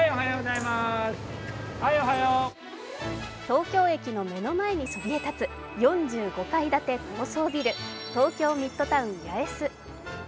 東京駅の目の前にそびえ立つ４５階建て高層ビル東京ミッドタウン八重洲。